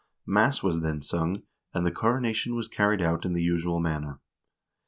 Mass was then sung, and the coronation was carried out in the usual manner.